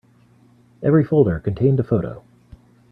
Every folder contained a photo.